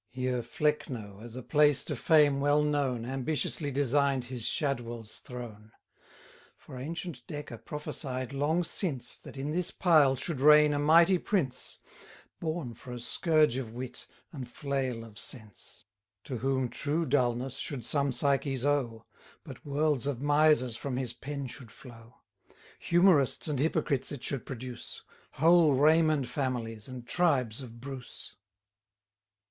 Here Flecknoe, as a place to fame well known, Ambitiously design'd his Shadwell's throne. For ancient Decker prophesied long since, That in this pile should reign a mighty prince, Born for a scourge of wit, and flail of sense: To whom true dulness should some Psyches owe, 90 But worlds of Misers from his pen should flow; Humourists and hypocrites it should produce, Whole Raymond families, and tribes of Bruce.